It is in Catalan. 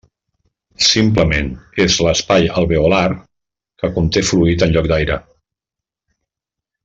Simplement, és l'espai alveolar que conté fluid en lloc d'aire.